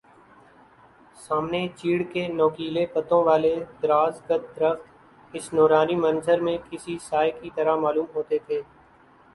سامنے چیڑ کے نوکیلے پتوں والے دراز قد درخت اس نورانی منظر میں کسی سائے کی طرح معلوم ہوتے تھے